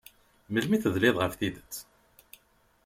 Melmi tedliḍ ɣef tidet?